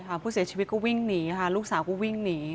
ผู้เสียชีวิตก็วิ่งหนีค่ะลูกสาวก็วิ่งหนี